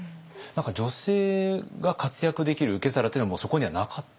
女性が活躍できる受け皿というのはもうそこにはなかった？